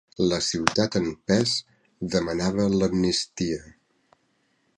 La ciutat en pes demanava l'amnistia.